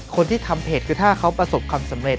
คนที่ทำเพจคือถ้าเขาประสบความสำเร็